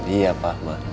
iya pak ma